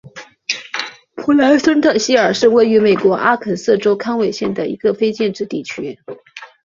普莱森特希尔是位于美国阿肯色州康韦县的一个非建制地区。